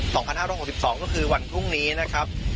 สองพันห้าร้อยหกสิบสองก็คือวันพรุ่งนี้นะครับ